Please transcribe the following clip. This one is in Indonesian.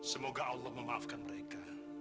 semoga allah memaafkan mereka